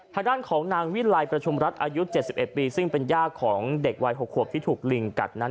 ทางด้านของนางวิลัยประชุมรัฐอายุ๗๑ปีซึ่งเป็นย่าของเด็กวัย๖ขวบที่ถูกลิงกัดนั้น